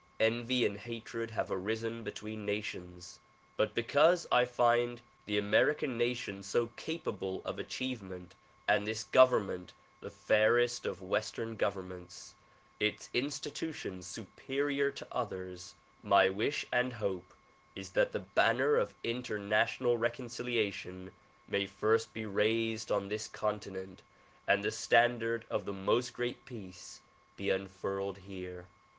En\'y and hatred have arisen between nations but because I find the American nation so capable of achievement and this government the fairest of western govern ments, its institutions superior to others, my wish and hope is that the banner of international reconciliation may first be raised on this continent and the standard of the ''Most Great Peace" be unfurled here.